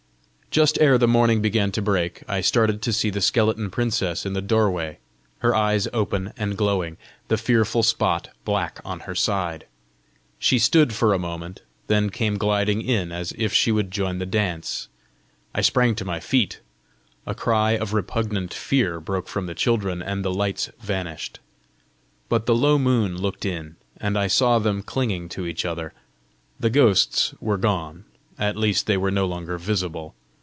Just ere the morning began to break, I started to see the skeleton princess in the doorway, her eyes open and glowing, the fearful spot black on her side. She stood for a moment, then came gliding in, as if she would join the dance. I sprang to my feet. A cry of repugnant fear broke from the children, and the lights vanished. But the low moon looked in, and I saw them clinging to each other. The ghosts were gone at least they were no longer visible.